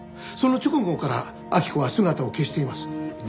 その直後から明子は姿を消しています。